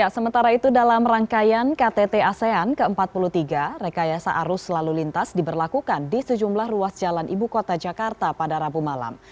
sementara itu dalam rangkaian ktt asean ke empat puluh tiga rekayasa arus lalu lintas diberlakukan di sejumlah ruas jalan ibu kota jakarta pada rabu malam